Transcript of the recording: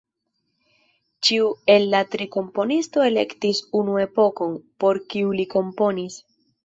Ĉiu el la tri komponisto elektis unu epokon, por kiu li komponis.